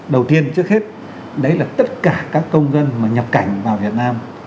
đầu tiên trước hết đấy là tất cả các công dân mà nhập cảnh vào việt nam